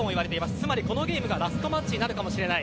つまりこのゲームがラストマッチになるかもしれない。